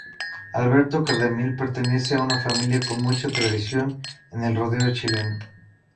Alberto Cardemil pertenece a una familia con mucha tradición en el rodeo chileno.